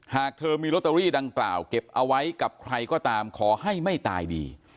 หากเธอมีลอตเตอรี่ดังกล่าวเก็บเอาไว้กับใครก็ตามขอให้ไม่ตายดี